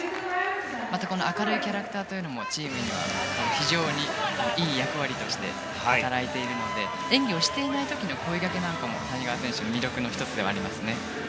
また明るいキャラクターというのも非常にいい役割として働いているので演技をしていない時の声かけなんかも谷川選手の魅力の１つではありますね。